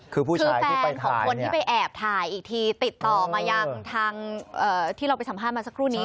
คือแฟนของคนที่ไปแอบถ่ายอีกทีติดต่อมายังทางที่เราไปสัมภาษณ์มาสักครู่นี้